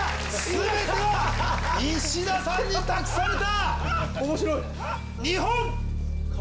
全ては石田さんに託された！